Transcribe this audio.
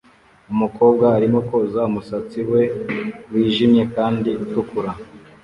Umukobwa arimo koza umusatsi we wijimye kandi utukura